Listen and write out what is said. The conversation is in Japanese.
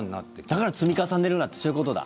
だから積み重ねるなってそういうことだ。